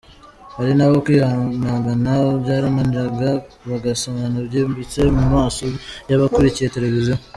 Hari n’abo kwihanagana byananiraga bagasomana byimbitse mu maso y’abakurikiye Televiziyo.